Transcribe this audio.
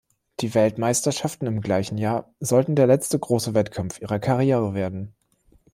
Die Weltmeisterschaften im gleichen Jahr sollten der letzte große Wettkampf ihrer Karriere werden.